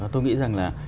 tôi nghĩ rằng là